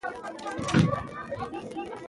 افغانستان کې د فاریاب لپاره دپرمختیا پروګرامونه شته.